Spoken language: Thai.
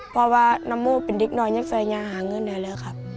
เพราะว่าน้ำมู้เป็นดิ๊กหน่อยยังสายงานหาเงินแล้วครับ